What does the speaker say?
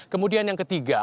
kemudian yang ketiga